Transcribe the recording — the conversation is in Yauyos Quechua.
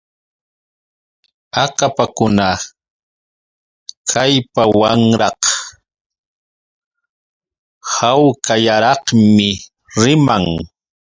Akapakuna kallpawanraq hawkallaraqmi riman.